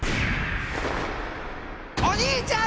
お兄ちゃん！